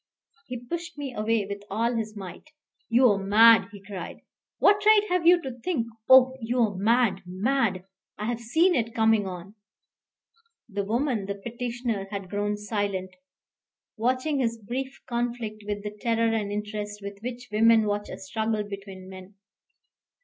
He pushed me away with all his might. "You are mad," he cried. "What right have you to think ? Oh, you are mad mad! I have seen it coming on " The woman, the petitioner, had grown silent, watching this brief conflict with the terror and interest with which women watch a struggle between men.